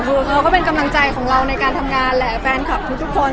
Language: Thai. คือเขาก็เป็นกำลังใจของเราในการทำงานแหละแฟนคลับทุกคน